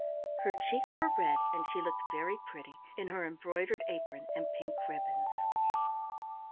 Her cheeks were red, and she looked very pretty in her embroidered apron and pink ribbons.